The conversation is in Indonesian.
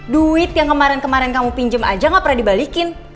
duit yang kemarin kemarin kamu pinjam aja gak pernah dibalikin